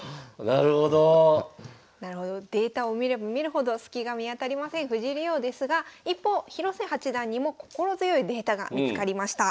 なるほどデータを見れば見るほど隙が見当たりません藤井竜王ですが一方広瀬八段にも心強いデータが見つかりました。